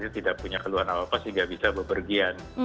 tidak punya keluhan apa apa tidak bisa berpergian